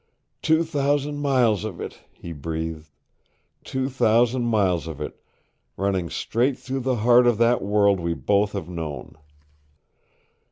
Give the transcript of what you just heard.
"Two thousand miles of it," he breathed. "Two thousand miles of it, running straight through the heart of that world we both have known!